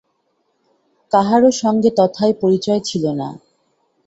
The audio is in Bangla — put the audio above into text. কাহারও সঙ্গে তথায় পরিচয় ছিল না।